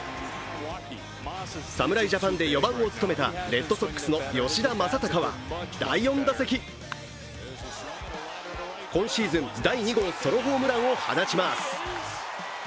侍ジャパンで４番を務めたレッドソックスの吉田正尚は第４打席今シーズン第２号ソロホームランを放ちます。